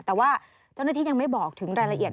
แต่ว่าเจ้าหน้าที่ยังไม่บอกถึงรายละเอียด